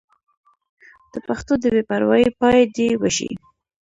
د پښتو د بې پروايۍ پای دې وشي.